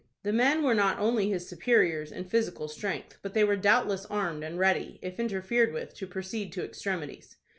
The men were not only his superiors in physical strength, but they were doubtless armed, and ready, if interfered with, to proceed to extremities.